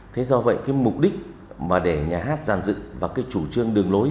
thế do vậy cái mục đích mà để nhà hát giàn dự và cái chủ trương đường lối